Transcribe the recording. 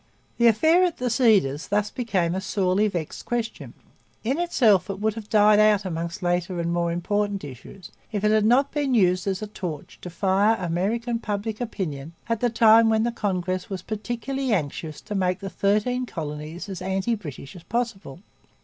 'The Affair at the Cedars' thus became a sorely vexed question. In itself it would have died out among later and more important issues if it had not been used as a torch to fire American public opinion at a time when the Congress was particularly anxious to make the Thirteen Colonies as anti British as possible.